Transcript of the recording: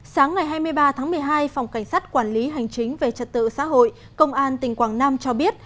sáng ngày hai mươi ba tháng một mươi hai phòng cảnh sát quản lý hành chính về trật tự xã hội công an tỉnh quảng nam cho biết